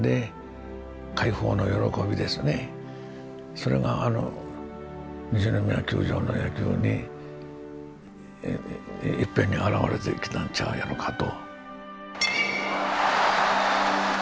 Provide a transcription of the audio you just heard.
それがあの西宮球場の野球にいっぺんにあらわれてきたんちゃうやろかと。